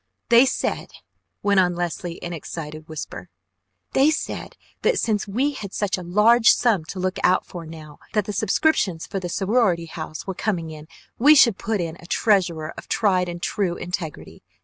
"They said " went on Leslie in excited whisper. "They said that since we had such a large sum to look out for now that the subscriptions for the sorority house were coming in, we should put in a treasurer of tried and true integrity.